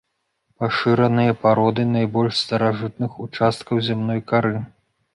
Пашыраныя пароды найбольш старажытных участкаў зямной кары.